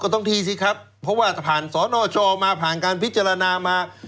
ต้องที่สิครับเพราะว่าผ่านสนชมาผ่านการพิจารณามา